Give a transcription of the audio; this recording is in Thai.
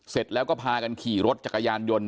เสร็จแล้วก็พากันขี่รถจักรยานยนต์